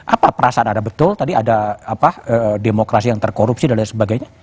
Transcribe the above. apa perasaan ada betul tadi ada demokrasi yang terkorupsi dan lain sebagainya